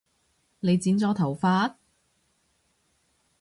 你剪咗頭髮？